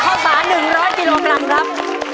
ข้าวสาร๑๐๐กิโลกรัมครับ